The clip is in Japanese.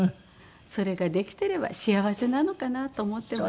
それができてれば幸せなのかなと思ってます。